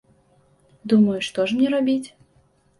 Думаю, што ж мне рабіць?